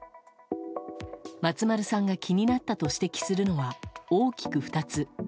松丸さんが気になったと指摘するのは大きく２つ。